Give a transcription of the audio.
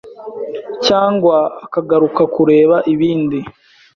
cyangwa akagaruka kureba ibindi